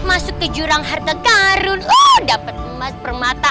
aku akan menganggap